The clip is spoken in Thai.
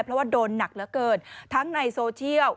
เพราะว่าโดนหนักเหลือเกินทั้งในโซเชียล